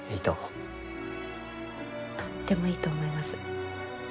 とってもいいと思います。